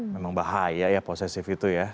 memang bahaya ya posesif itu ya